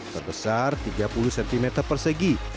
sebesar tiga puluh cm persegi